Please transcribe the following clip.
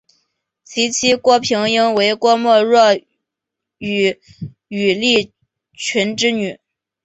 其妻郭平英为郭沫若与于立群之女。